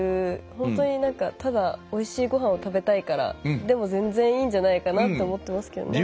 本当に、ただおいしいごはんを食べたいからで全然いいんじゃないかなと思ってますけどね。